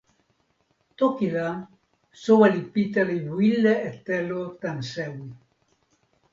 toki la, soweli Pita li wile e telo tan sewi.